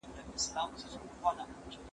ټول دردونه یې په حکم دوا کېږي